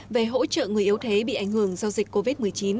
về hỗ trợ người yếu thế bị ảnh hưởng do dịch covid một mươi chín